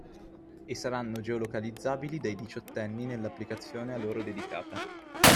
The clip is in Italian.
E saranno geo-localizzabili dai diciottenni nell’applicazione a loro dedicata.